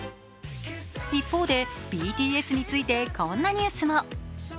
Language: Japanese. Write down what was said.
一方で、ＢＴＳについてこんなニュースも。